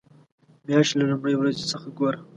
مياشت له لومړۍ ورځې څخه ګوره.